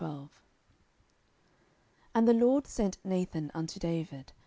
10:012:001 And the LORD sent Nathan unto David.